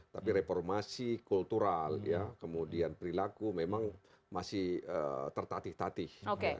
tapi reformasi kultural kemudian perilaku memang masih tertatih tatih